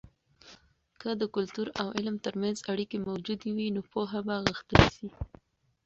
که د کلتور او علم ترمنځ اړیکې موجودې وي، نو پوهه به غښتلې سي.